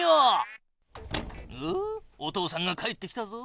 おっお父さんが帰ってきたぞ。